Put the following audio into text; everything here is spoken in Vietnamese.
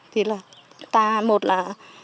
thì là ta một là